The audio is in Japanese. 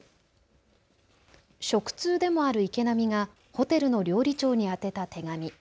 食通でもある池波がホテルの料理長に宛てた手紙。